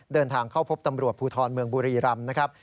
เดินทางเข้าพบตำรวจภูทรเมืองบุรีรำนะครับ